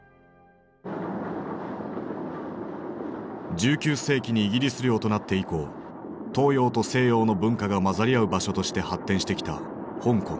１９世紀にイギリス領となって以降東洋と西洋の文化が混ざり合う場所として発展してきた香港。